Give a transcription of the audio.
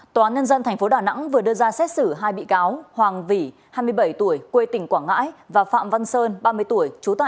tòa án nhân dân tp đà nẵng vừa đưa ra xét xử hai bị cáo hoàng vĩ hai mươi bảy tuổi quê tỉnh quảng ngãi